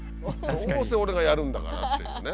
どうせ俺がやるんだからっていうね。